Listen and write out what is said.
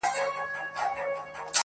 رخسار دي میکده او زه خیام سم چي در ګورم,